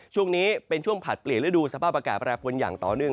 ช่วงนี้เป็นช่วงผลัดเปลี่ยนฤดูสภาพอากาศแปรปวนอย่างต่อเนื่อง